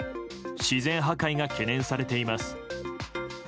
自然破壊が懸念されています。